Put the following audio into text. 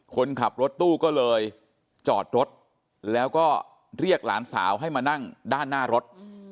คนขับรถตู้ก็เลยจอดรถแล้วก็เรียกหลานสาวให้มานั่งด้านหน้ารถ